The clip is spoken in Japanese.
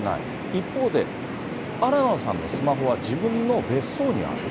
一方で、新野さんのスマホは自分の別荘にある。